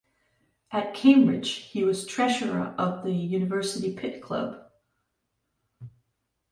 At Cambridge, he was treasurer of the University Pitt Club.